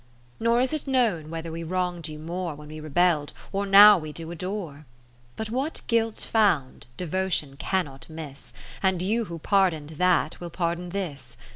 Nor is it known whether we wrong'd you more When we rebell'd, or now we do adore. But what Guilt found, Devotion cannot miss ; And you who pardon'd that, will pardon this.